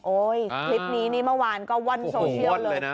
โอ๊ยคลิปนี้เมื่อวานก็วั่นโซเชียลเลย